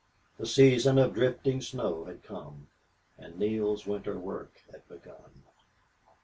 The season of drifting snow had come, and Neale's winter work had begun.